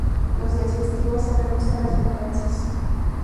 Los días festivos se reducen las frecuencias.